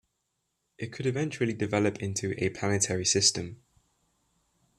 It could eventually develop into a planetary system.